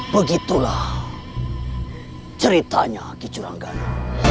begitulah ceritanya kicuranggana